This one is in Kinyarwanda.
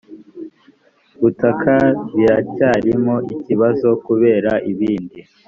butaka biracyarimo ikibazo kubera ibindi